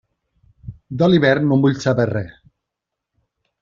De l'hivern no en vull saber res.